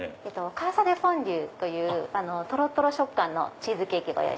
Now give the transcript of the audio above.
カーサデフォンデュというとろとろ食感のチーズケーキを。